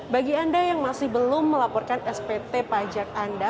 bagi anda yang masih belum melaporkan spt pajak anda